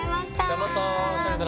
じゃあまたさよなら。